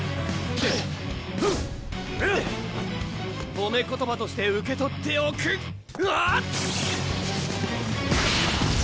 ほめ言葉として受け取っておくわ！